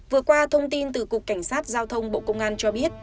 vừa qua thông tin từ cục cảnh sát giao thông bộ công an cho biết